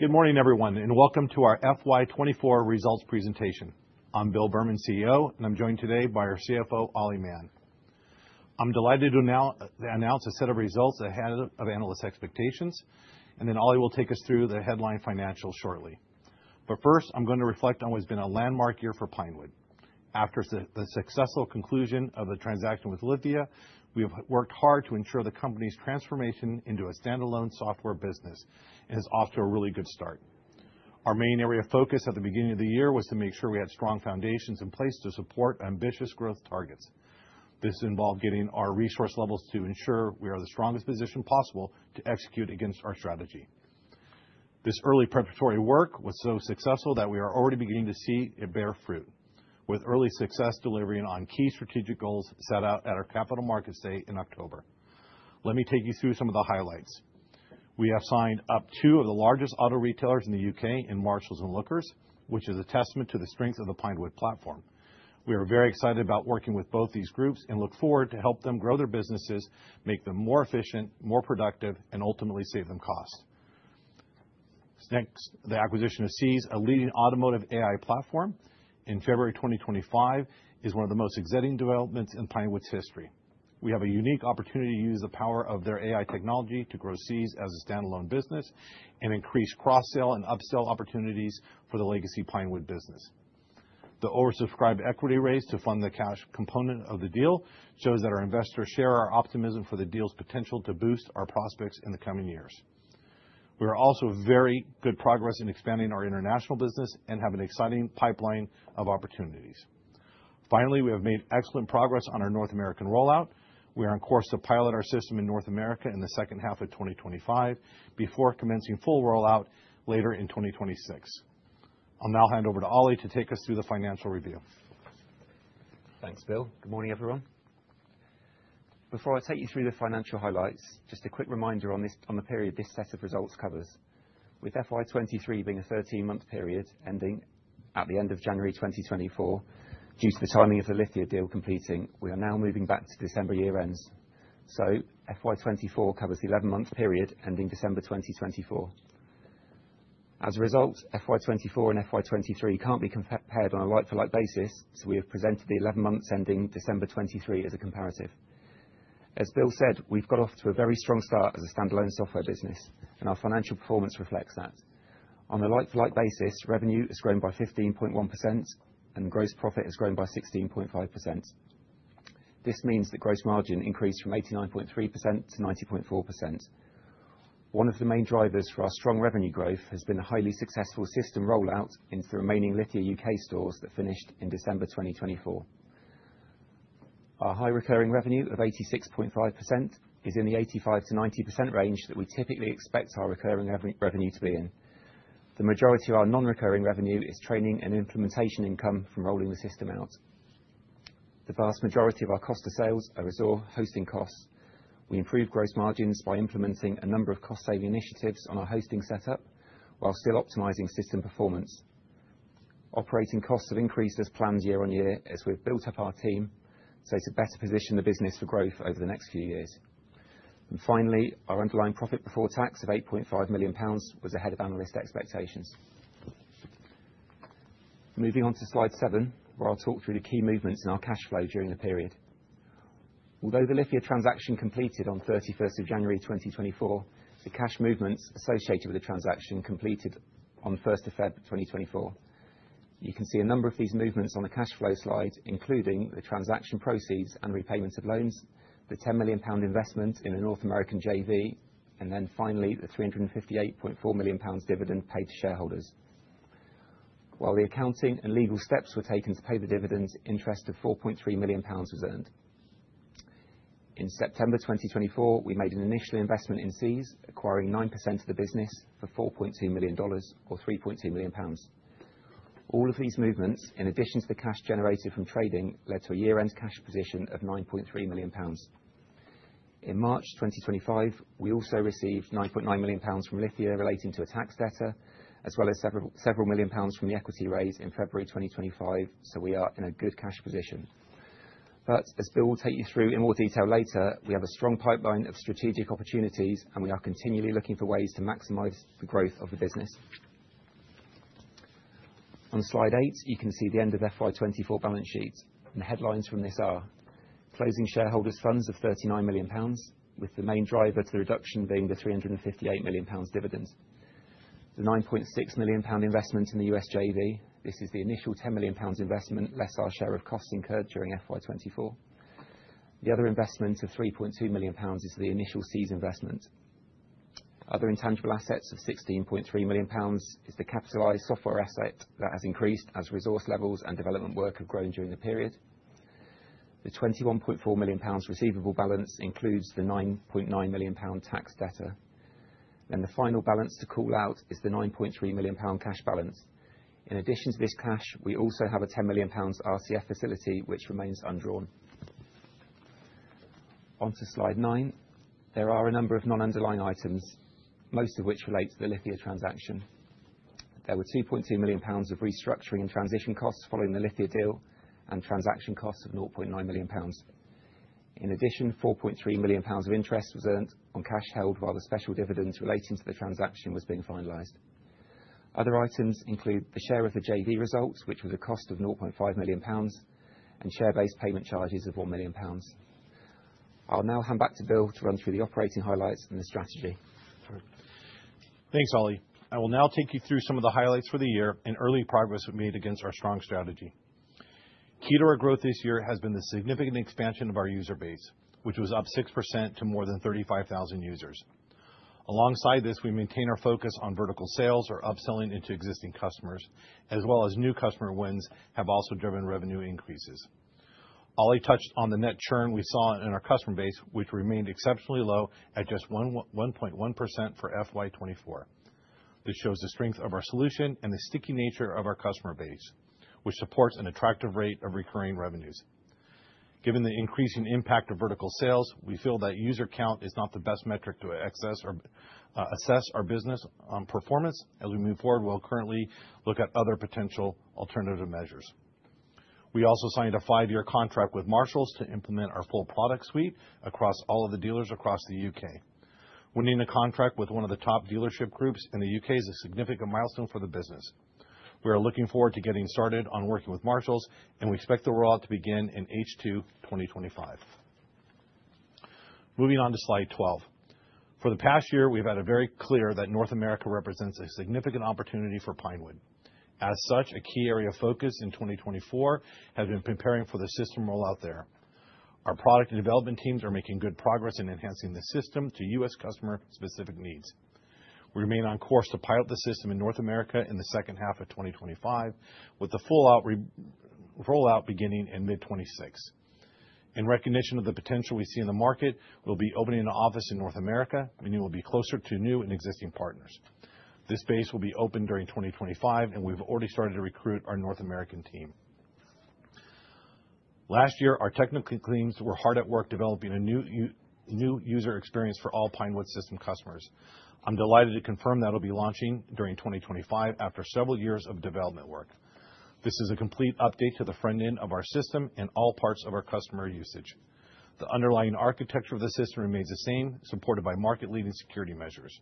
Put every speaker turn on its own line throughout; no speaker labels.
Good morning, everyone, and welcome to our FY24 results presentation. I'm Bill Berman, CEO, and I'm joined today by our CFO, Ollie Mann. I'm delighted to announce a set of results ahead of analysts' expectations, and then Ollie will take us through the headline financials shortly. But first, I'm going to reflect on what has been a landmark year for Pinewood. After the successful conclusion of the transaction with Lithia, we have worked hard to ensure the company's transformation into a standalone software business and it's off to a really good start. Our main area of focus at the beginning of the year was to make sure we had strong foundations in place to support ambitious growth targets. This involved getting our resource levels to ensure we are in the strongest position possible to execute against our strategy. This early preparatory work was so successful that we are already beginning to see it bear fruit, with early success delivering on key strategic goals set out at our Capital Markets Day in October. Let me take you through some of the highlights. We have signed up two of the largest auto retailers in the U.K. in Marshalls and Lookers, which is a testament to the strength of the Pinewood platform. We are very excited about working with both these groups and look forward to helping them grow their businesses, make them more efficient, more productive, and ultimately save them costs. Next, the acquisition of Seez, a leading automotive AI platform, in February 2025 is one of the most exciting developments in Pinewood's history. We have a unique opportunity to use the power of their AI technology to grow Seez as a standalone business and increase cross-sale and up-sale opportunities for the legacy Pinewood business. The oversubscribed equity raise to fund the cash component of the deal shows that our investors share our optimism for the deal's potential to boost our prospects in the coming years. We are also making very good progress in expanding our international business and have an exciting pipeline of opportunities. Finally, we have made excellent progress on our North American rollout. We are on course to pilot our system in North America in the second half of 2025 before commencing full rollout later in 2026. I'll now hand over to Ollie to take us through the financial review.
Thanks, Bill. Good morning, everyone. Before I take you through the financial highlights, just a quick reminder on the period this set of results covers. With FY23 being a 13-month period ending at the end of January 2024 due to the timing of the Lithia deal completing, we are now moving back to December year-ends. So FY24 covers the 11-month period ending December 2024. As a result, FY24 and FY23 can't be compared on a like-for-like basis, so we have presented the 11 months ending December 2023 as a comparative. As Bill said, we've got off to a very strong start as a standalone software business, and our financial performance reflects that. On a like-for-like basis, revenue has grown by 15.1%, and gross profit has grown by 16.5%. This means that gross margin increased from 89.3% to 90.4%. One of the main drivers for our strong revenue growth has been the highly successful system rollout into the remaining Lithia U.K. stores that finished in December 2024. Our high recurring revenue of 86.5% is in the 85%-90% range that we typically expect our recurring revenue to be in. The majority of our non-recurring revenue is training and implementation income from rolling the system out. The vast majority of our cost of sales are resource hosting costs. We improved gross margins by implementing a number of cost-saving initiatives on our hosting setup while still optimizing system performance. Operating costs have increased as planned year on year as we've built up our team, so to better position the business for growth over the next few years. Finally, our underlying profit before tax of 8.5 million pounds was ahead of analyst expectations. Moving on to slide seven, where I'll talk through the key movements in our cash flow during the period. Although the Lithia transaction completed on 31 January 2024, the cash movements associated with the transaction completed on 1 February 2024. You can see a number of these movements on the cash flow slide, including the transaction proceeds and repayment of loans, the 10 million pound investment in a North American JV, and then finally the 358.4 million pounds dividend paid to shareholders. While the accounting and legal steps were taken to pay the dividends, interest of 4.3 million pounds was earned. In September 2024, we made an initial investment in Seez, acquiring 9% of the business for $4.2 million, or 3.2 million pounds. All of these movements, in addition to the cash generated from trading, led to a year-end cash position of 9.3 million pounds. In March 2025, we also received £9.9 million from Lithia relating to a tax debtor, as well as several million pounds from the equity raise in February 2025, so we are in a good cash position. But as Bill will take you through in more detail later, we have a strong pipeline of strategic opportunities, and we are continually looking for ways to maximize the growth of the business. On slide eight, you can see the end of FY24 balance sheet, and the headlines from this are closing shareholders' funds of £39 million, with the main driver to the reduction being the £358 million dividend, the £9.6 million investment in the U.S. JV. This is the initial £10 million investment less our share of costs incurred during FY24. The other investment of £3.2 million is the initial Seez investment. Other intangible assets of £16.3 million is the capitalized software asset that has increased as resource levels and development work have grown during the period. The £21.4 million receivable balance includes the £9.9 million tax debtor. Then the final balance to call out is the £9.3 million cash balance. In addition to this cash, we also have a £10 million RCF facility, which remains undrawn. Onto slide nine, there are a number of non-underlying items, most of which relate to the Lithia transaction. There were £2.2 million of restructuring and transition costs following the Lithia deal and transaction costs of £0.9 million. In addition, £4.3 million of interest was earned on cash held while the special dividends relating to the transaction were being finalized. Other items include the share of the JV results, which was a cost of £0.5 million, and share-based payment charges of £1 million. I'll now hand back to Bill to run through the operating highlights and the strategy.
Thanks, Ollie. I will now take you through some of the highlights for the year and early progress we've made against our strong strategy. Key to our growth this year has been the significant expansion of our user base, which was up 6% to more than 35,000 users. Alongside this, we maintain our focus on vertical sales, or upselling into existing customers, as well as new customer wins that have also driven revenue increases. Ollie touched on the net churn we saw in our customer base, which remained exceptionally low at just 1.1% for FY24. This shows the strength of our solution and the sticky nature of our customer base, which supports an attractive rate of recurring revenues. Given the increasing impact of vertical sales, we feel that user count is not the best metric to assess our business performance. As we move forward, we'll currently look at other potential alternative measures. We also signed a five-year contract with Marshall Motor Group to implement our full product suite across all of the dealers across the U.K. Winning a contract with one of the top dealership groups in the U.K. is a significant milestone for the business. We are looking forward to getting started on working with Marshall Motor Group, and we expect the rollout to begin in H2 2025. Moving on to slide 12. For the past year, we've had it very clear that North America represents a significant opportunity for Pinewood. As such, a key area of focus in 2024 has been preparing for the system rollout there. Our product and development teams are making good progress in enhancing the system to U.S. customer-specific needs. We remain on course to pilot the system in North America in the second half of 2025, with the full rollout beginning in mid-2026. In recognition of the potential we see in the market, we'll be opening an office in North America, meaning we'll be closer to new and existing partners. This base will be opened during 2025, and we've already started to recruit our North American team. Last year, our technical teams were hard at work developing a new user experience for all Pinewood system customers. I'm delighted to confirm that it'll be launching during 2025 after several years of development work. This is a complete update to the front end of our system and all parts of our customer usage. The underlying architecture of the system remains the same, supported by market-leading security measures.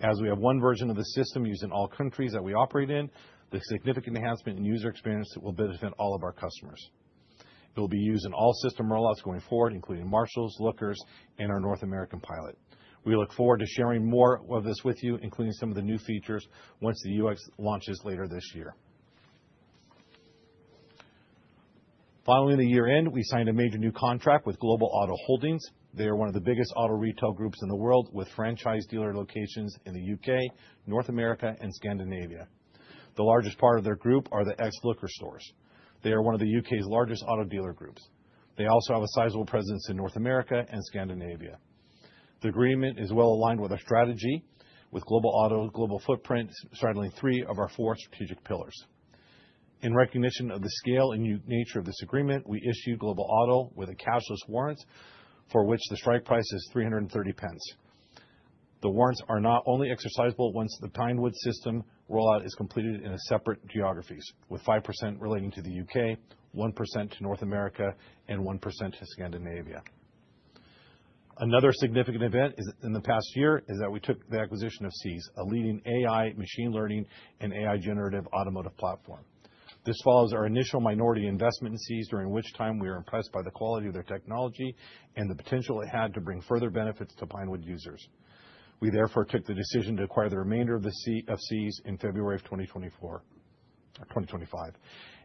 As we have one version of the system used in all countries that we operate in, the significant enhancement in user experience will benefit all of our customers. It will be used in all system rollouts going forward, including Marshalls, Lookers, and our North American pilot. We look forward to sharing more of this with you, including some of the new features, once the UX launches later this year. Following the year-end, we signed a major new contract with Global Auto Holdings. They are one of the biggest auto retail groups in the world, with franchise dealer locations in the U.K., North America, and Scandinavia. The largest part of their group are the ex-Looker stores. They are one of the U.K.'s largest auto dealer groups. They also have a sizable presence in North America and Scandinavia. The agreement is well aligned with our strategy, with Global Auto Holdings's global footprint straddling three of our four strategic pillars. In recognition of the scale and nature of this agreement, we issued Global Auto Holdings with a cashless warrant for which the strike price is 330p. The warrants are not only exercisable once the Pinewood system rollout is completed in separate geographies, with 5% relating to the U.K., 1% to North America, and 1% to Scandinavia. Another significant event in the past year is that we took the acquisition of Seez, a leading AI machine learning and AI generative automotive platform. This follows our initial minority investment in Seez, during which time we were impressed by the quality of their technology and the potential it had to bring further benefits to Pinewood users. We therefore took the decision to acquire the remainder of Seez in February 2025.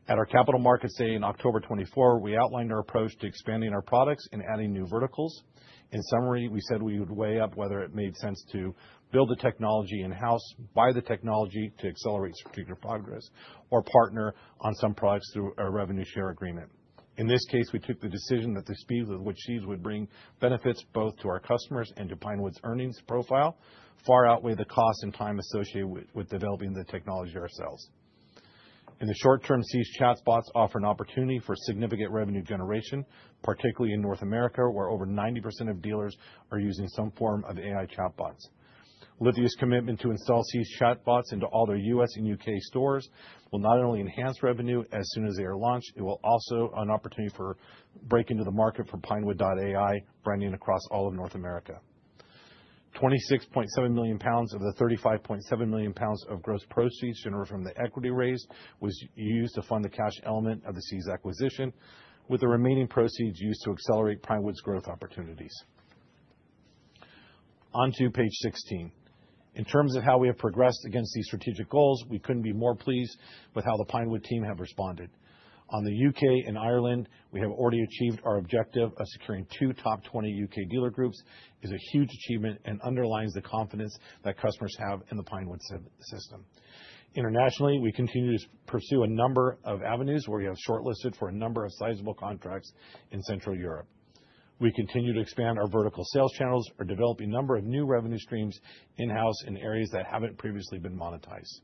At our Capital Markets Day in October 2024, we outlined our approach to expanding our products and adding new verticals. In summary, we said we would weigh up whether it made sense to build the technology in-house, buy the technology to accelerate strategic progress, or partner on some products through a revenue share agreement. In this case, we took the decision that the speed with which Seez would bring benefits both to our customers and to Pinewood's earnings profile far outweigh the cost and time associated with developing the technology ourselves. In the short term, Seez chatbots offer an opportunity for significant revenue generation, particularly in North America, where over 90% of dealers are using some form of AI chatbots. Lithia Motors' commitment to install Seez chatbots into all their U.S. and U.K. stores will not only enhance revenue as soon as they are launched, it will also be an opportunity for breaking into the market for Pinewood AI branding across all of North America. 26.7 million pounds of the 35.7 million pounds of gross proceeds generated from the equity raise was used to fund the cash element of the Seez acquisition, with the remaining proceeds used to accelerate Pinewood's growth opportunities. Onto page 16. In terms of how we have progressed against these strategic goals, we couldn't be more pleased with how the Pinewood team have responded. On the U.K. and Ireland, we have already achieved our objective of securing two top 20 U.K. dealer groups, which is a huge achievement and underlines the confidence that customers have in the Pinewood system. Internationally, we continue to pursue a number of avenues where we have shortlisted for a number of sizable contracts in Central Europe. We continue to expand our vertical sales channels, are developing a number of new revenue streams in-house in areas that haven't previously been monetized.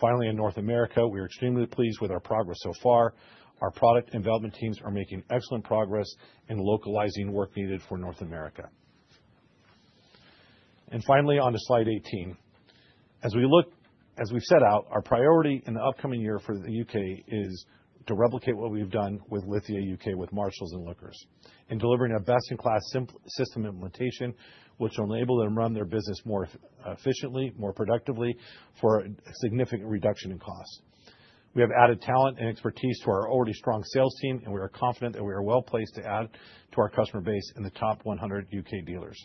Finally, in North America, we are extremely pleased with our progress so far. Our product and development teams are making excellent progress in localizing work needed for North America. And finally, onto slide 18. As we've set out, our priority in the upcoming year for the U.K. is to replicate what we've done with Lithia U.K. with Marshalls and Lookers, in delivering a best-in-class system implementation, which will enable them to run their business more efficiently, more productively, for a significant reduction in cost. We have added talent and expertise to our already strong sales team, and we are confident that we are well placed to add to our customer base in the top 100 U.K. dealers.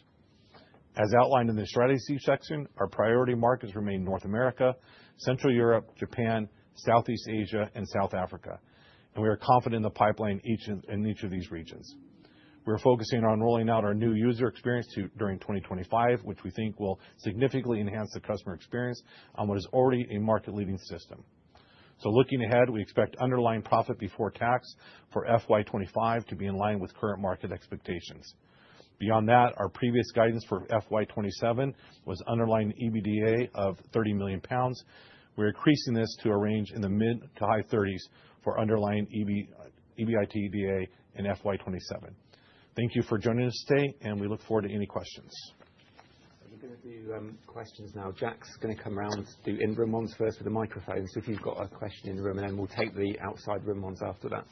As outlined in the strategy section, our priority markets remain North America, Central Europe, Japan, Southeast Asia, and South Africa, and we are confident in the pipeline in each of these regions. We are focusing on rolling out our new user experience during 2025, which we think will significantly enhance the customer experience on what is already a market-leading system, so looking ahead, we expect underlying profit before tax for FY25 to be in line with current market expectations. Beyond that, our previous guidance for FY27 was underlying EBITDA of 30 million pounds. We're increasing this to a range in the mid to high 30s for underlying EBITDA in FY27. Thank you for joining us today, and we look forward to any questions.
I'm going to do questions now. Jack's going to come around to do in-room ones first with the microphone. So if you've got a question in the room, and then we'll take the outside room ones after that.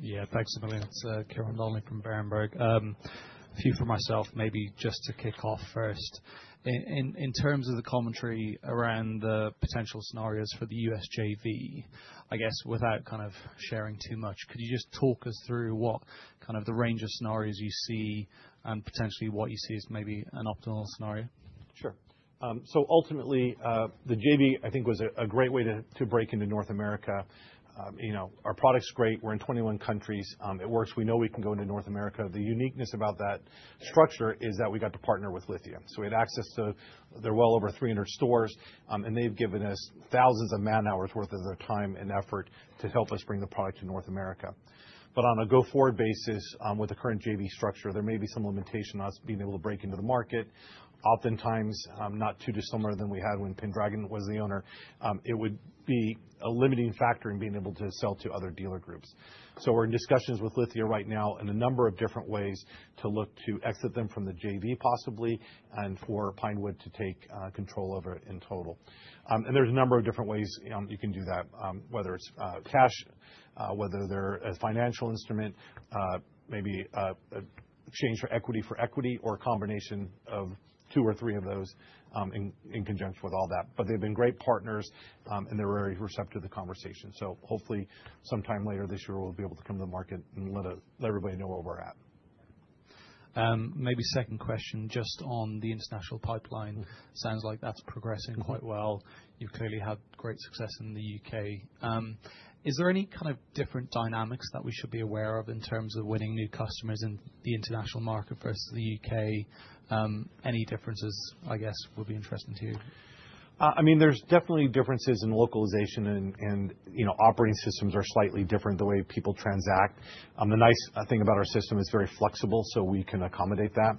Yeah, thanks a million. It's Ciarán Donnelly from Berenberg. A few for myself, maybe just to kick off first. In terms of the commentary around the potential scenarios for the US JV, I guess without kind of sharing too much, could you just talk us through what kind of the range of scenarios you see and potentially what you see as maybe an optimal scenario?
Sure, so ultimately, the JV, I think, was a great way to break into North America. Our product's great. We're in 21 countries. It works. We know we can go into North America. The uniqueness about that structure is that we got to partner with Lithia. So we had access to their well over 300 stores, and they've given us thousands of man-hours' worth of their time and effort to help us bring the product to North America. But on a go-forward basis, with the current JV structure, there may be some limitations on us being able to break into the market. Oftentimes, not too dissimilar than we had when Pendragon was the owner, it would be a limiting factor in being able to sell to other dealer groups. We're in discussions with Lithia right now in a number of different ways to look to exit them from the JV possibly and for Pinewood to take control over it in total. And there's a number of different ways you can do that, whether it's cash, whether they're a financial instrument, maybe exchange for equity for equity, or a combination of two or three of those in conjunction with all that. But they've been great partners, and they're very receptive to the conversation. So hopefully, sometime later this year, we'll be able to come to the market and let everybody know where we're at.
Maybe second question, just on the international pipeline. Sounds like that's progressing quite well. You've clearly had great success in the U.K. Is there any kind of different dynamics that we should be aware of in terms of winning new customers in the international market versus the U.K.? Any differences, I guess, would be interesting to you.
I mean, there's definitely differences in localization, and operating systems are slightly different the way people transact. The nice thing about our system is very flexible, so we can accommodate that.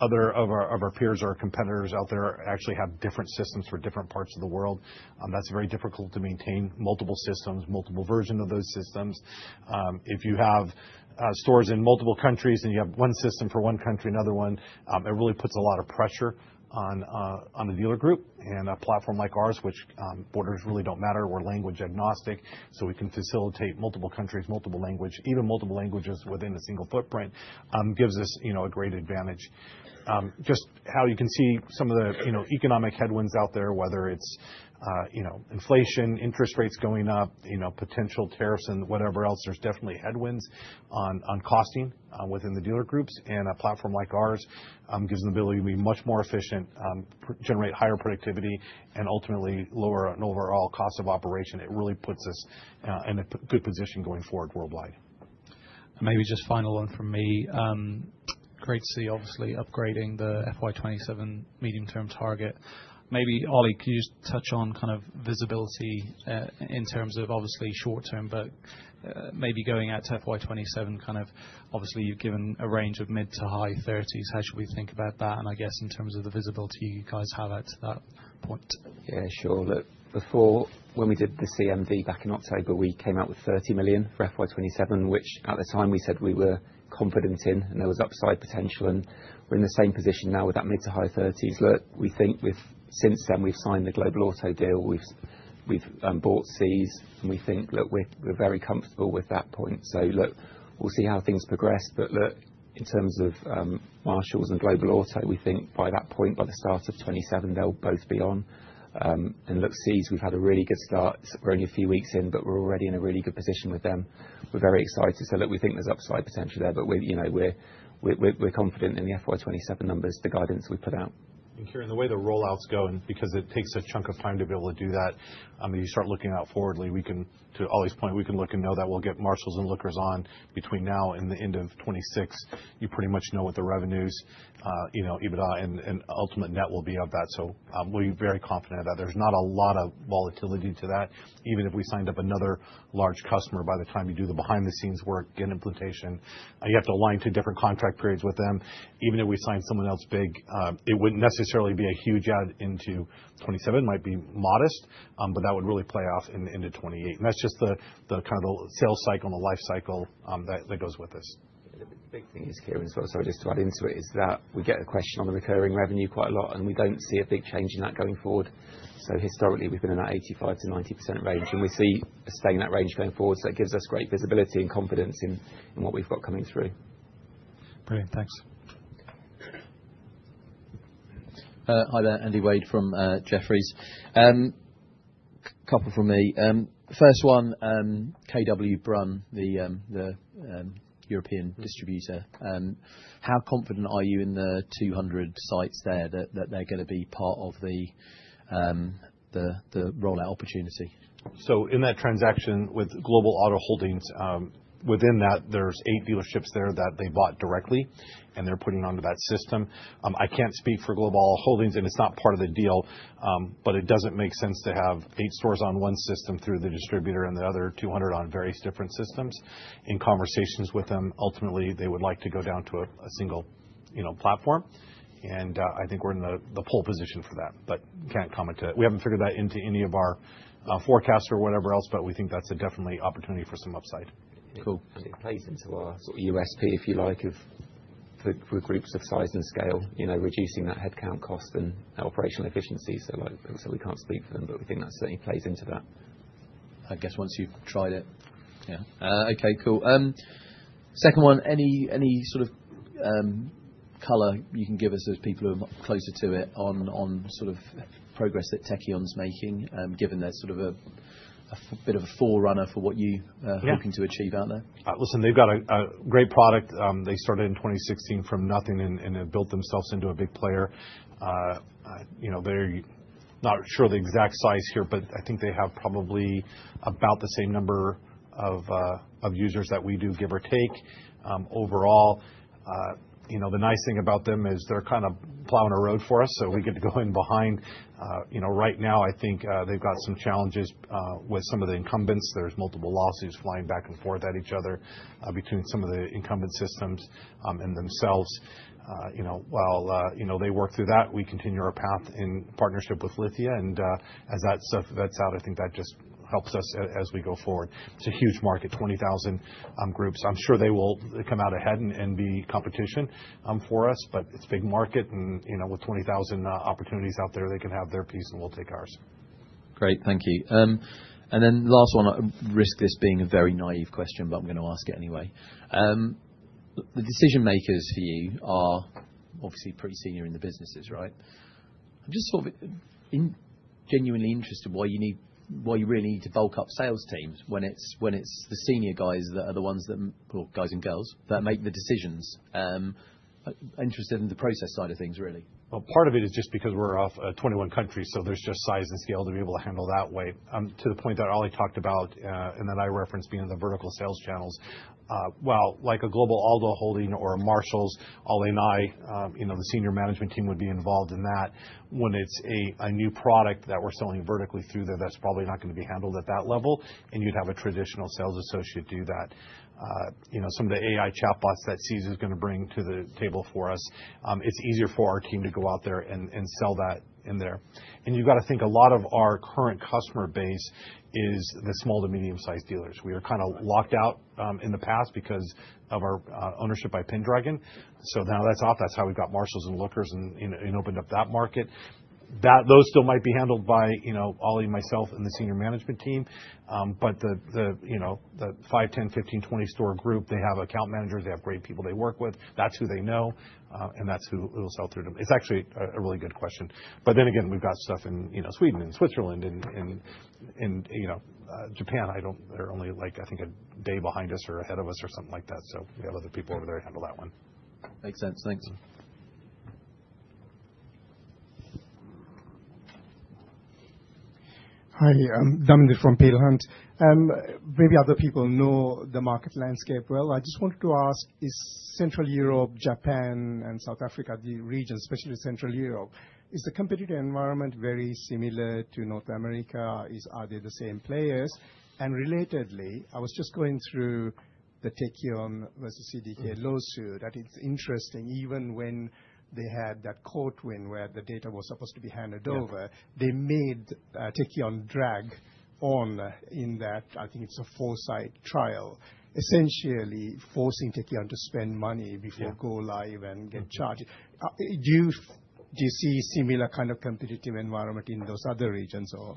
Other of our peers or competitors out there actually have different systems for different parts of the world. That's very difficult to maintain multiple systems, multiple versions of those systems. If you have stores in multiple countries and you have one system for one country, another one, it really puts a lot of pressure on the dealer group, and a platform like ours, which borders really don't matter, we're language agnostic, so we can facilitate multiple countries, multiple languages, even multiple languages within a single footprint, gives us a great advantage. Just how you can see some of the economic headwinds out there, whether it's inflation, interest rates going up, potential tariffs, and whatever else, there's definitely headwinds on costing within the dealer groups, and a platform like ours gives them the ability to be much more efficient, generate higher productivity, and ultimately lower an overall cost of operation. It really puts us in a good position going forward worldwide.
And maybe just final one from me. Great to see, obviously, upgrading the FY27 medium-term target. Maybe, Ollie, could you just touch on kind of visibility in terms of, obviously, short term, but maybe going out to FY27, kind of obviously you've given a range of mid to high 30s. How should we think about that? And I guess in terms of the visibility you guys have out to that point.
Yeah, sure. Look, before, when we did the CMD back in October, we came out with £30 million for FY27, which at the time we said we were confident in, and there was upside potential. We're in the same position now with that mid to high 30s. Look, we think since then we've signed the Global Auto deal, we've bought Seez, and we think, look, we're very comfortable with that point. We'll see how things progress. Look, in terms of Marshalls and Global Auto, we think by that point, by the start of 2027, they'll both be on. Look, Seez, we've had a really good start. We're only a few weeks in, but we're already in a really good position with them. We're very excited. Look, we think there's upside potential there, but we're confident in the FY27 numbers, the guidance we put out.
And Kieran, the way the rollouts go and because it takes a chunk of time to be able to do that, you start looking out forwardly. To Ollie's point, we can look and know that we'll get Marshalls and Lookers on between now and the end of 2026. You pretty much know what the revenues, EBITDA, and ultimate net will be of that. So we're very confident of that. There's not a lot of volatility to that. Even if we signed up another large customer by the time you do the behind-the-scenes work and implementation, you have to align two different contract periods with them. Even if we signed someone else big, it wouldn't necessarily be a huge add into 2027. It might be modest, but that would really play off into 2028. And that's just the kind of the sales cycle and the life cycle that goes with this.
The big thing is, Kieran, sorry to just add into it, is that we get a question on the recurring revenue quite a lot, and we don't see a big change in that going forward. So historically, we've been in that 85%-90% range, and we see us staying in that range going forward. So it gives us great visibility and confidence in what we've got coming through.
Brilliant. Thanks.
Hi there, Andy Wade from Jefferies. A couple from me. First one, K.W. Bruun, the European distributor. How confident are you in the 200 sites there that they're going to be part of the rollout opportunity?
So in that transaction with Global Auto Holdings, within that, there's eight dealerships there that they bought directly, and they're putting onto that system. I can't speak for Global Auto Holdings, and it's not part of the deal, but it doesn't make sense to have eight stores on one system through the distributor and the other 200 on various different systems. In conversations with them, ultimately, they would like to go down to a single platform. And I think we're in the pole position for that, but can't comment to it. We haven't figured that into any of our forecasts or whatever else, but we think that's definitely an opportunity for some upside.
Cool. Plays into our sort of USP, if you like, for groups of size and scale, reducing that headcount cost and operational efficiency. So we can't speak for them, but we think that certainly plays into that. I guess once you've tried it. Yeah. Okay, cool. Second one, any sort of color you can give us as people who are closer to it on sort of progress that Tekion's making, given they're sort of a bit of a forerunner for what you're looking to achieve out there?
Listen, they've got a great product. They started in 2016 from nothing and have built themselves into a big player. They're not sure of the exact size here, but I think they have probably about the same number of users that we do, give or take. Overall, the nice thing about them is they're kind of plowing a road for us, so we get to go in behind. Right now, I think they've got some challenges with some of the incumbents. There's multiple lawsuits flying back and forth at each other between some of the incumbent systems and themselves. While they work through that, we continue our path in partnership with Lithia. And as that vets out, I think that just helps us as we go forward. It's a huge market, 20,000 groups. I'm sure they will come out ahead and be competition for us, but it's a big market. With 20,000 opportunities out there, they can have their piece, and we'll take ours.
Great. Thank you. And then last one, I risk this being a very naive question, but I'm going to ask it anyway. The decision makers for you are obviously pretty senior in the businesses, right? I'm just sort of genuinely interested why you really need to bulk up sales teams when it's the senior guys that are the ones that, well, guys and girls, that make the decisions. Interested in the process side of things, really.
Part of it is just because we're across 21 countries, so there's just size and scale to be able to handle that way. To the point that Ollie talked about, and then I referenced being in the vertical sales channels, well, like a Global Auto Holdings or a Marshalls, Ollie and I, the senior management team would be involved in that. When it's a new product that we're selling vertically through there, that's probably not going to be handled at that level, and you'd have a traditional sales associate do that. Some of the AI chatbots that Seez is going to bring to the table for us, it's easier for our team to go out there and sell that in there. You've got to think a lot of our current customer base is the small to medium-sized dealers. We were kind of locked out in the past because of our ownership by Pendragon, so now that's off. That's how we've got Marshalls and Lookers and opened up that market. Those still might be handled by Ollie, myself, and the senior management team, but the 5, 10, 15, 20 store group, they have account managers. They have great people they work with. That's who they know, and that's who it'll sell through to. It's actually a really good question, but then again, we've got stuff in Sweden and Switzerland and Japan. They're only, I think, a day behind us or ahead of us or something like that, so we have other people over there to handle that one.
Makes sense. Thanks.
Hi, Damindu from Peel Hunt. Maybe other people know the market landscape well. I just wanted to ask, is Central Europe, Japan, and South Africa, the region, especially Central Europe, is the competitive environment very similar to North America? Are they the same players? And relatedly, I was just going through the Tekion versus CDK lawsuit that it's interesting, even when they had that court win where the data was supposed to be handed over, they made Tekion drag on in that, I think it's a discovery trial, essentially forcing Tekion to spend money before go live and get charged. Do you see similar kind of competitive environment in those other regions, or?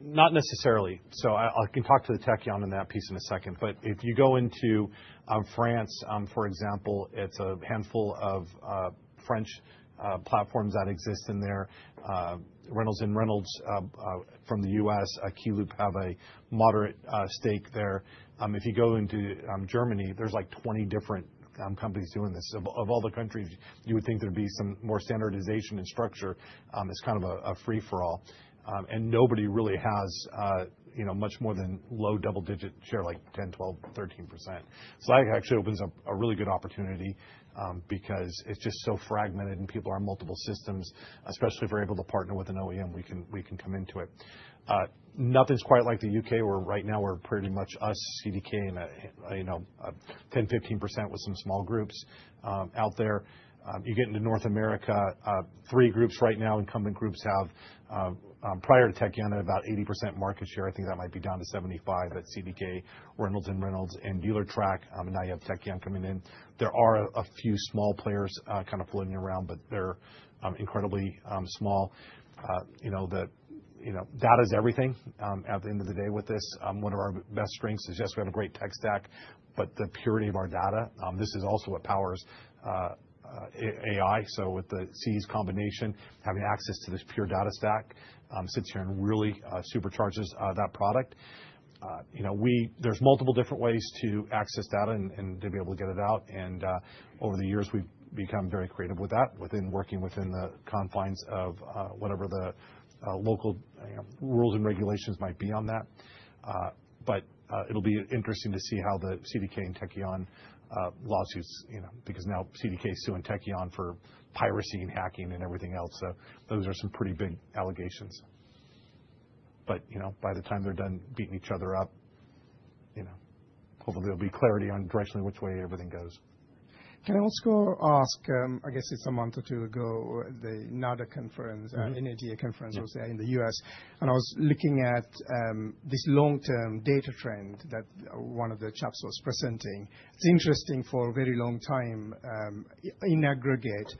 Not necessarily. So I can talk to the Tekion on that piece in a second. But if you go into France, for example, it's a handful of French platforms that exist in there. Reynolds and Reynolds from the U.S., Keyloop, have a moderate stake there. If you go into Germany, there's like 20 different companies doing this. Of all the countries, you would think there'd be some more standardization and structure. It's kind of a free-for-all. And nobody really has much more than low double-digit share, like 10%, 12%, 13%. So that actually opens up a really good opportunity because it's just so fragmented and people are on multiple systems. Especially if we're able to partner with an OEM, we can come into it. Nothing's quite like the U.K., where right now we're pretty much us, CDK, and a 10%-15% with some small groups out there. You get into North America. Three groups right now, incumbent groups have, prior to Tekion, had about 80% market share. I think that might be down to 75% at CDK, Reynolds and Reynolds, and Dealertrack. Now you have Tekion coming in. There are a few small players kind of floating around, but they're incredibly small. Data is everything at the end of the day with this. One of our best strengths is, yes, we have a great tech stack, but the purity of our data. This is also what powers AI. So with the Seez combination, having access to this pure data stack sits here and really supercharges that product. There's multiple different ways to access data and to be able to get it out. And over the years, we've become very creative with that, working within the confines of whatever the local rules and regulations might be on that. But it'll be interesting to see how the CDK and Tekion lawsuits. Because now CDK is suing Tekion for piracy and hacking and everything else. So those are some pretty big allegations. But by the time they're done beating each other up, hopefully there'll be clarity on directionally which way everything goes.
Can I also ask, I guess it's a month or two ago, another conference, NADA conference, I would say, in the US, and I was looking at this long-term data trend that one of the chaps was presenting. It's interesting for a very long time, in aggregate,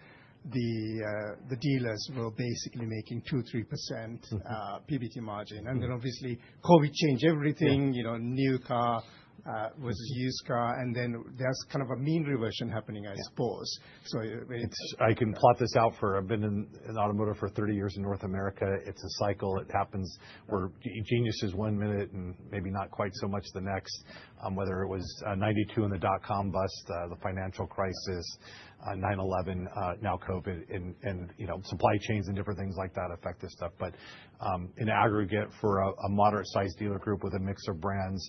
the dealers were basically making 2%, 3% PBT margin, and then obviously, COVID changed everything. New car versus used car, and then there's kind of a mean reversion happening, I suppose, so it's.
I can plot this out, for I've been in automotive for 30 years in North America. It's a cycle. It happens where genius is one minute and maybe not quite so much the next, whether it was 1992 in the dot-com bust, the financial crisis, 9/11, now COVID, and supply chains and different things like that affect this stuff. But in aggregate, for a moderate-sized dealer group with a mix of brands,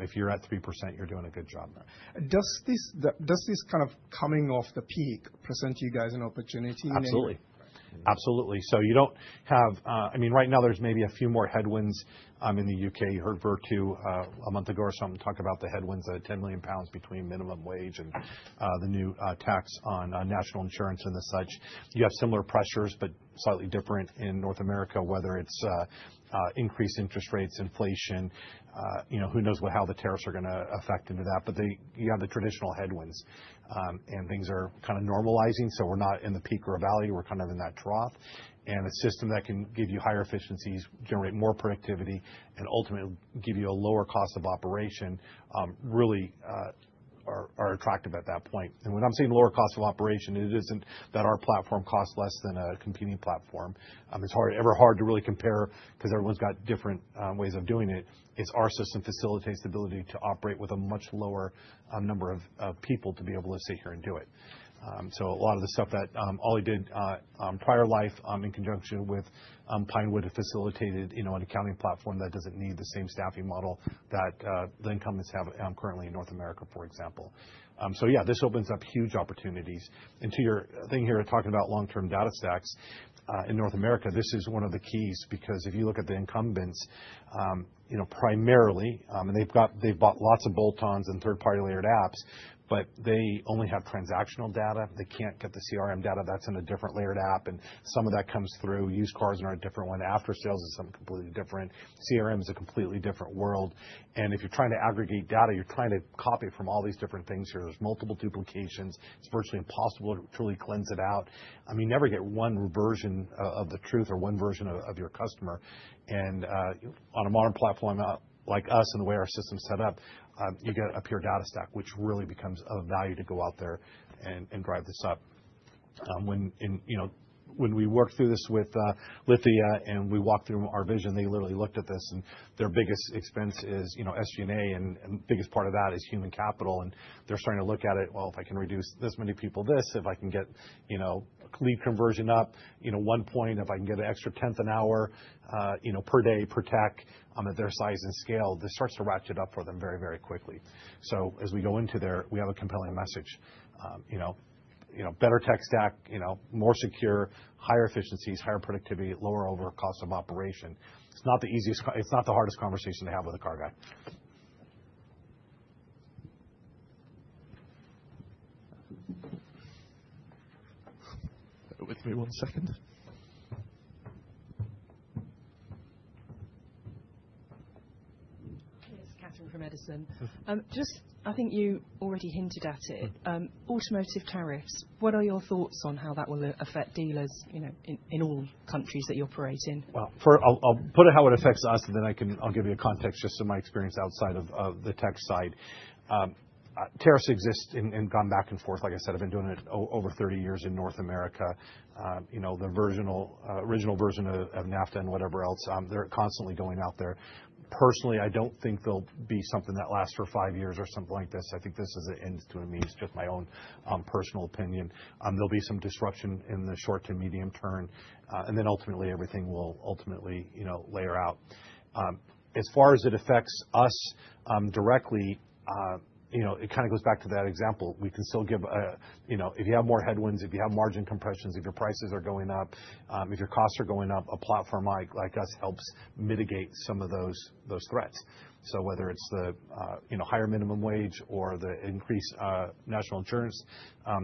if you're at 3%, you're doing a good job there.
Does this kind of coming off the peak present to you guys an opportunity?
Absolutely. Absolutely. So you don't have, I mean, right now there's maybe a few more headwinds in the U.K. You heard Vertu a month ago or something talk about the headwinds at 10 million pounds between minimum wage and the new tax on National Insurance and as such. You have similar pressures, but slightly different in North America, whether it's increased interest rates, inflation, who knows how the tariffs are going to affect into that. But you have the traditional headwinds, and things are kind of normalizing. So we're not in the peak or a valley. We're kind of in that trough. And a system that can give you higher efficiencies, generate more productivity, and ultimately give you a lower cost of operation really are attractive at that point. And when I'm saying lower cost of operation, it isn't that our platform costs less than a competing platform. It's ever hard to really compare because everyone's got different ways of doing it. It's our system facilitates the ability to operate with a much lower number of people to be able to sit here and do it. So a lot of the stuff that Ollie did prior life in conjunction with Pinewood have facilitated an accounting platform that doesn't need the same staffing model that the incumbents have currently in North America, for example. So yeah, this opens up huge opportunities. And to your thing here, talking about long-term data stacks in North America, this is one of the keys because if you look at the incumbents, primarily, and they've bought lots of bolt-ons and third-party layered apps, but they only have transactional data. They can't get the CRM data. That's in a different layered app. And some of that comes through. Used cars are a different one. After sales is something completely different. CRM is a completely different world, and if you're trying to aggregate data, you're trying to copy from all these different things here. There's multiple duplications. It's virtually impossible to truly cleanse it out. You never get one version of the truth or one version of your customer, and on a modern platform like us and the way our system's set up, you get a pure data stack, which really becomes of value to go out there and drive this up. When we worked through this with Lithia and we walked through our vision, they literally looked at this, and their biggest expense is SG&A, and the biggest part of that is human capital. And they're starting to look at it. Well, if I can reduce this many people, if I can get lead conversion up one point, if I can get an extra tenth an hour per day per tech at their size and scale, this starts to ratchet up for them very, very quickly. So as we go into there, we have a compelling message. Better tech stack, more secure, higher efficiencies, higher productivity, lower overall cost of operation. It's not the easiest, it's not the hardest conversation to have with a car guy.
Bear with me one second.
Yes, Catherine from Edison. Just, I think you already hinted at it. Automotive tariffs, what are your thoughts on how that will affect dealers in all countries that you operate in?
I'll put it how it affects us, and then I'll give you context just from my experience outside of the tech side. Tariffs exist and gone back and forth. Like I said, I've been doing it over 30 years in North America. The original version of NAFTA and whatever else, they're constantly going out there. Personally, I don't think there'll be something that lasts for five years or something like this. I think this is a means to an end. Just my own personal opinion. There'll be some disruption in the short to medium term, then ultimately, everything will ultimately play out. As far as it affects us directly, it kind of goes back to that example. We can still give, if you have more headwinds, if you have margin compressions, if your prices are going up, if your costs are going up, a platform like us helps mitigate some of those threats. So whether it's the higher minimum wage or the increased National Insurance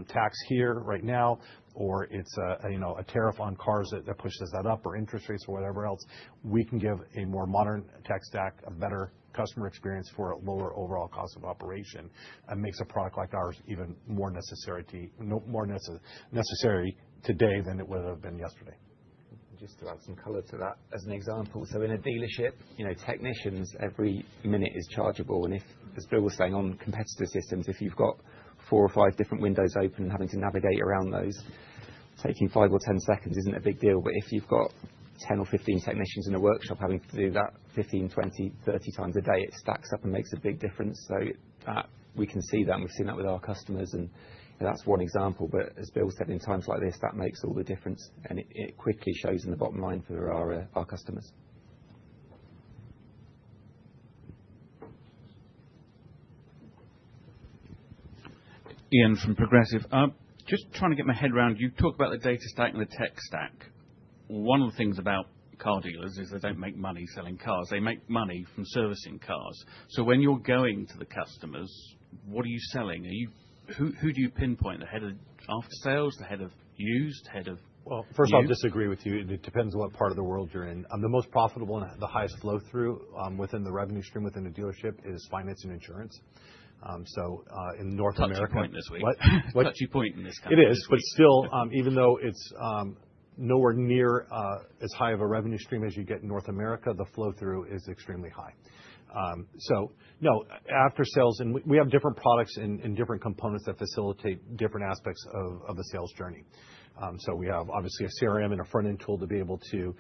tax here right now, or it's a tariff on cars that pushes that up, or interest rates or whatever else, we can give a more modern tech stack, a better customer experience for a lower overall cost of operation. It makes a product like ours even more necessary today than it would have been yesterday.
Just to add some color to that, as an example. So in a dealership, technicians every minute is chargeable. And as Bill was saying on competitor systems, if you've got four or five different windows open and having to navigate around those, taking five or 10 seconds isn't a big deal. But if you've got 10 or 15 technicians in a workshop having to do that 15, 20, 30 times a day, it stacks up and makes a big difference. So we can see that, and we've seen that with our customers. And that's one example. But as Bill said, in times like this, that makes all the difference. And it quickly shows in the bottom line for our customers.
Ian from Progressive, just trying to get my head around, you talk about the data stack and the tech stack. One of the things about car dealers is they don't make money selling cars. They make money from servicing cars. So when you're going to the customers, what are you selling? Who do you pinpoint? The head of after sales? The head of used?
First of all, I disagree with you. It depends on what part of the world you're in. The most profitable and the highest flow-through within the revenue stream within a dealership is finance and insurance. So in North America.
Touchy point this week. Touchy point in this country.
It is, but still, even though it's nowhere near as high of a revenue stream as you get in North America, the flow-through is extremely high, so no, after sales, and we have different products and different components that facilitate different aspects of the sales journey, so we have obviously a CRM and a front-end tool to be able to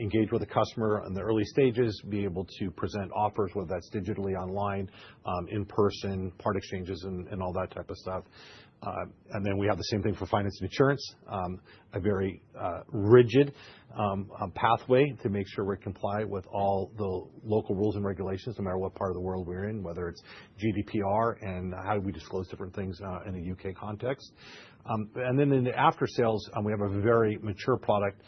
engage with the customer in the early stages, be able to present offers, whether that's digitally, online, in person, part exchanges, and all that type of stuff, and then we have the same thing for finance and insurance, a very rigid pathway to make sure we comply with all the local rules and regulations, no matter what part of the world we're in, whether it's GDPR and how we disclose different things in a U.K. context. And then in the after sales, we have a very mature product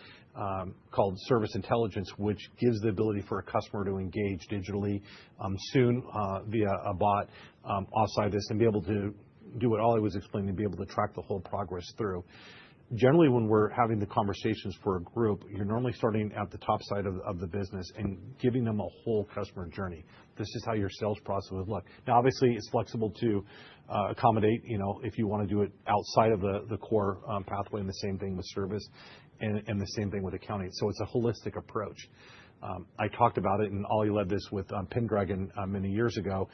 called Service Intelligence, which gives the ability for a customer to engage digitally soon via a bot outside this and be able to do what Ollie was explaining and be able to track the whole progress through. Generally, when we're having the conversations for a group, you're normally starting at the top side of the business and giving them a whole customer journey. This is how your sales process would look. Now, obviously, it's flexible to accommodate if you want to do it outside of the core pathway and the same thing with service and the same thing with accounting. So it's a holistic approach. I talked about it, and Ollie led this with Pendragon many years ago.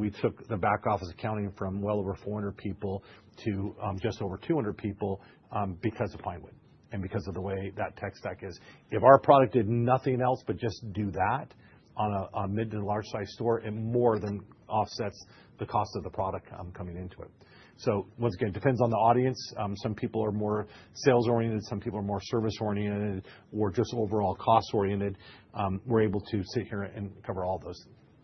We took the back office accounting from well over 400 people to just over 200 people because of Pinewood and because of the way that tech stack is. If our product did nothing else but just do that on a mid- to large-sized store, it more than offsets the cost of the product coming into it. So once again, it depends on the audience. Some people are more sales-oriented, some people are more service-oriented, or just overall cost-oriented. We're able to sit here and cover all those.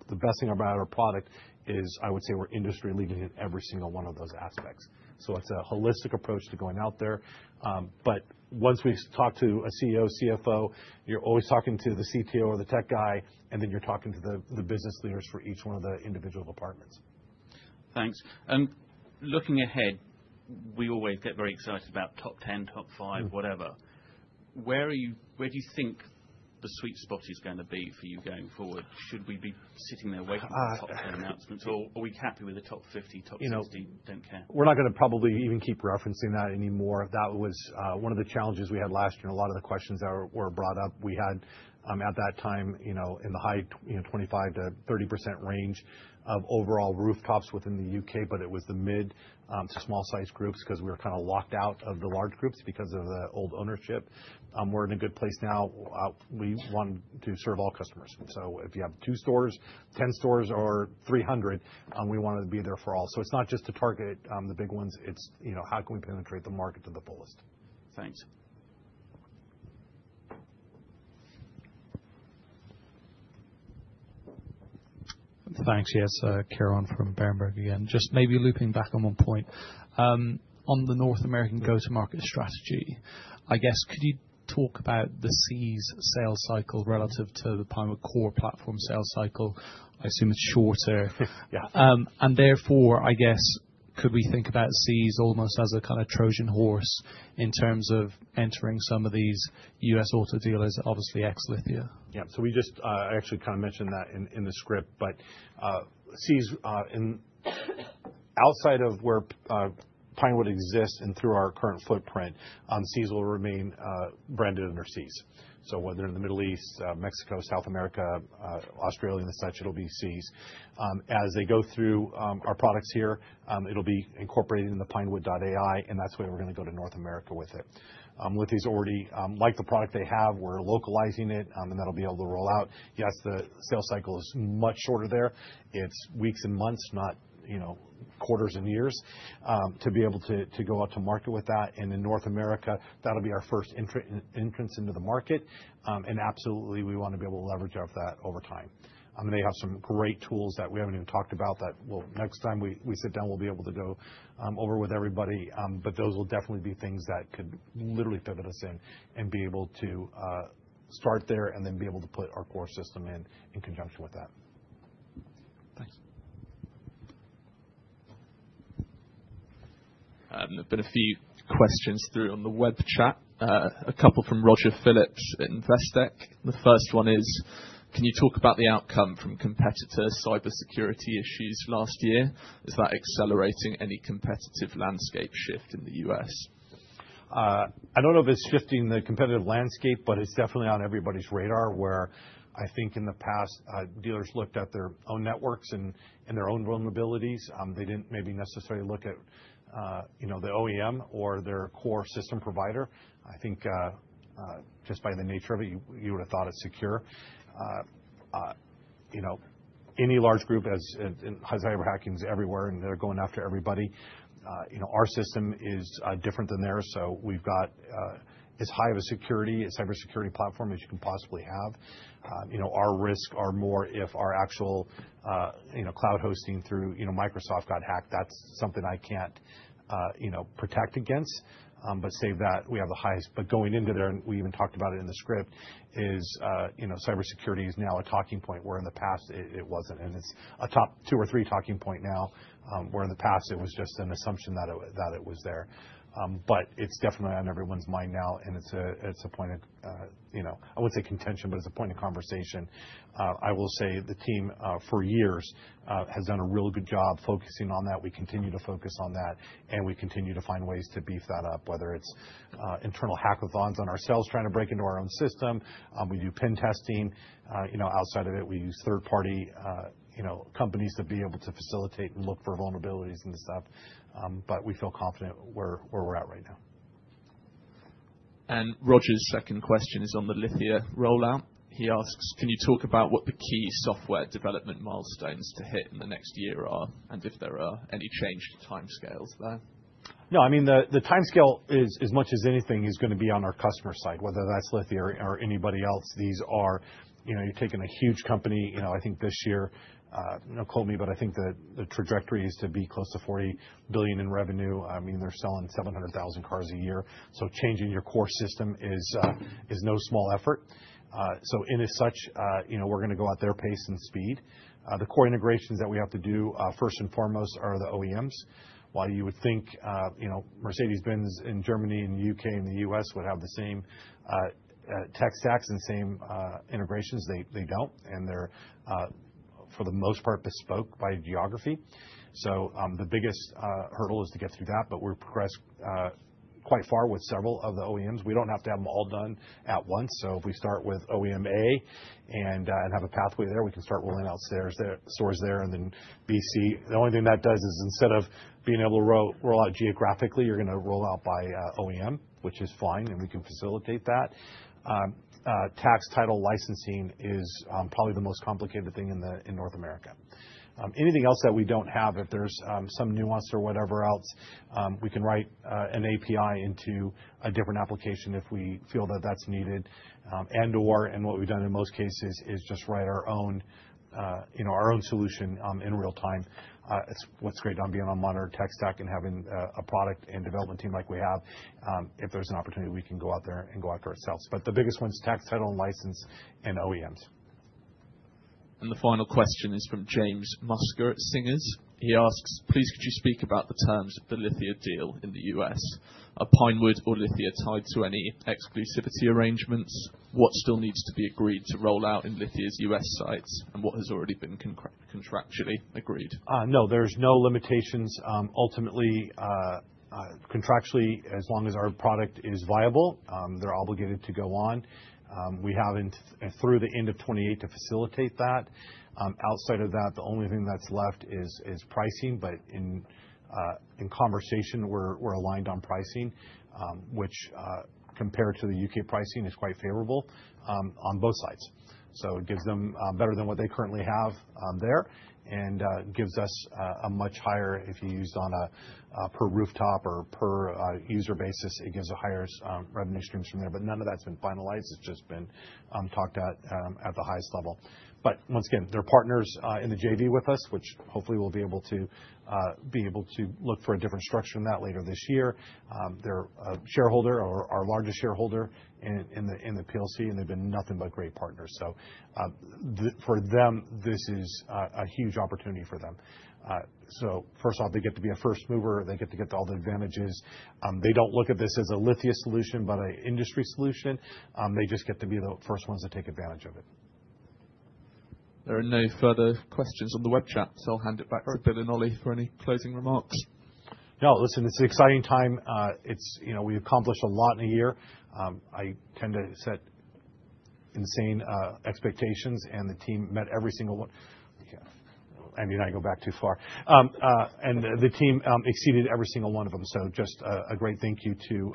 The best thing about our product is, I would say, we're industry-leading in every single one of those aspects. So it's a holistic approach to going out there. But once we talk to a CEO, CFO, you're always talking to the CTO or the tech guy, and then you're talking to the business leaders for each one of the individual departments.
Thanks. Looking ahead, we always get very excited about top 10, top five, whatever. Where do you think the sweet spot is going to be for you going forward? Should we be sitting there waiting for top 10 announcements, or are we happy with the top 50, top 60? Don't care.
We're not going to probably even keep referencing that anymore. That was one of the challenges we had last year. A lot of the questions that were brought up, we had at that time in the high 25%-30% range of overall rooftops within the U.K., but it was the mid to small-sized groups because we were kind of locked out of the large groups because of the old ownership. We're in a good place now. We want to serve all customers. So if you have two stores, ten stores, or 300, we want to be there for all. So it's not just to target the big ones. It's how can we penetrate the market to the fullest?
Thanks.
Thanks. Yes, Kieran from Berenberg again. Just maybe looping back on one point. On the North American go-to-market strategy, I guess, could you talk about the Seez's sales cycle relative to the Pinewood Core platform sales cycle? I assume it's shorter.
Yeah.
And therefore, I guess, could we think about Seez almost as a kind of Trojan horse in terms of entering some of these U.S. auto dealers, obviously ex-Lithia?
Yeah. So we just, I actually kind of mentioned that in the script, but Seez outside of where Pinewood exists and through our current footprint, Seez will remain branded under Seez. So whether in the Middle East, Mexico, South America, Australia, and such, it'll be Seez. As they go through our products here, it'll be incorporated in the Pinewood AI, and that's where we're going to go to North America with it. Lithia’s already liked the product they have. We're localizing it, and that'll be able to roll out. Yes, the sales cycle is much shorter there. It's weeks and months, not quarters and years, to be able to go out to market with that. And in North America, that'll be our first entrance into the market. And absolutely, we want to be able to leverage off that over time. They have some great tools that we haven't even talked about, well, next time we sit down, we'll be able to go over with everybody. Those will definitely be things that could literally pivot us in and be able to start there and then be able to put our core system in in conjunction with that.
Thanks.
There've been a few questions through on the web chat. A couple from Roger Phillips at Investec. The first one is, can you talk about the outcome from competitor cybersecurity issues last year? Is that accelerating any competitive landscape shift in the US?
I don't know if it's shifting the competitive landscape, but it's definitely on everybody's radar where I think in the past, dealers looked at their own networks and their own vulnerabilities. They didn't maybe necessarily look at the OEM or their core system provider. I think just by the nature of it, you would have thought it's secure. Any large group has cyber hackings everywhere, and they're going after everybody. Our system is different than theirs. So we've got as high of a cybersecurity platform as you can possibly have. Our risks are more if our actual cloud hosting through Microsoft got hacked. That's something I can't protect against. But say that we have the highest, but going into there, and we even talked about it in the script, cybersecurity is now a talking point where in the past it wasn't. And it's a top two or three talking point now where in the past it was just an assumption that it was there. But it's definitely on everyone's mind now, and it's a point of, I wouldn't say contention, but it's a point of conversation. I will say the team for years has done a really good job focusing on that. We continue to focus on that, and we continue to find ways to beef that up, whether it's internal hackathons on ourselves trying to break into our own system. We do pen testing. Outside of it, we use third-party companies to be able to facilitate and look for vulnerabilities and stuff. But we feel confident where we're at right now.
Roger's second question is on the Lithia rollout. He asks, can you talk about what the key software development milestones to hit in the next year are and if there are any change to timescales there?
No, I mean, the timescale, as much as anything, is going to be on our customer side, whether that's Lithia or anybody else. These are, you're taking a huge company. I think this year, don't quote me, but I think the trajectory is to be close to $40 billion in revenue. I mean, they're selling 700,000 cars a year. So changing your core system is no small effort. So, as such, we're going to go at their pace and speed. The core integrations that we have to do, first and foremost, are the OEMs. While you would think Mercedes-Benz in Germany, in the U.K., and the U.S. would have the same tech stacks and same integrations, they don't, and they're, for the most part, bespoke by geography. So the biggest hurdle is to get through that, but we've progressed quite far with several of the OEMs. We don't have to have them all done at once. So if we start with OEM A and have a pathway there, we can start rolling out stores there and then B, C. The only thing that does is instead of being able to roll out geographically, you're going to roll out by OEM, which is fine, and we can facilitate that. Tax, title, and license is probably the most complicated thing in North America. Anything else that we don't have, if there's some nuance or whatever else, we can write an API into a different application if we feel that that's needed. And/or, and what we've done in most cases is just write our own solution in real time. It's what's great on being on a modern tech stack and having a product and development team like we have. If there's an opportunity, we can go out there and go out there ourselves. But the biggest one's Tax, Title, and License and OEMs.
The final question is from James Musker at Singers. He asks, please could you speak about the terms of the Lithia deal in the U.S.? Are Pinewood or Lithia tied to any exclusivity arrangements? What still needs to be agreed to roll out in Lithia's U.S. sites? And what has already been contractually agreed?
No, there's no limitations. Ultimately, contractually, as long as our product is viable, they're obligated to go on. We have through the end of 2028 to facilitate that. Outside of that, the only thing that's left is pricing. In conversation, we're aligned on pricing, which compared to the U.K. pricing is quite favorable on both sides. It gives them better than what they currently have there and gives us a much higher, if you used on a per rooftop or per user basis, revenue stream from there. None of that's been finalized. It's just been talked at the highest level. Once again, they're partners in the JV with us, which hopefully we'll be able to look for a different structure in that later this year. They're a shareholder, our largest shareholder in the PLC, and they've been nothing but great partners. So for them, this is a huge opportunity for them. So first off, they get to be a first mover. They get to get all the advantages. They don't look at this as a Lithia solution, but an industry solution. They just get to be the first ones to take advantage of it.
There are no further questions on the web chat, so I'll hand it back to Bill and Ollie for any closing remarks.
No, listen, it's an exciting time. We accomplished a lot in a year. I tend to set insane expectations, and the team met every single one. Andy and I go back too far, and the team exceeded every single one of them, so just a great thank you to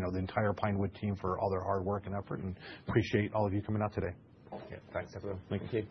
the entire Pinewood team for all their hard work and effort, and appreciate all of you coming out today.
Thanks, everyone. Thank you.